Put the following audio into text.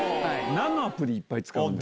なんのアプリいっぱい使うんですか。